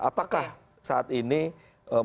apakah saat ini membutuhkan